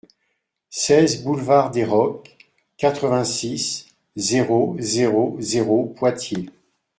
seize boulevard des Rocs, quatre-vingt-six, zéro zéro zéro, Poitiers